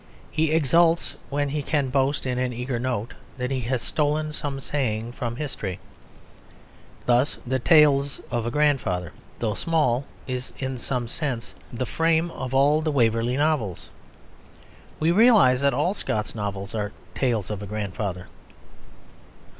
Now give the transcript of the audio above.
He exults when he can boast in an eager note that he has stolen some saying from history. Thus The Tales of a Grandfather, though small, is in some sense the frame of all the Waverley novels. We realise that all Scott's novels are tales of a grandfather.